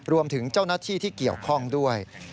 รวมถึงเจ้าหน้าที่ที่เกี่ยวข้องด้วย